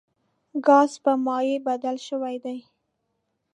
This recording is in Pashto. ګاز په مایع بدل شوی دی.